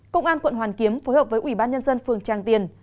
công an quận hoàn kiếm phối hợp với ủy ban nhân dân phường tràng tiền